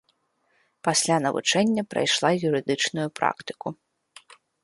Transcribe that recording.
Пасля навучэння прайшла юрыдычную практыку.